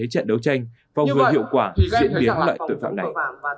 chẳng đấu tranh vòng vừa hiệu quả diễn biến loại tội phạm này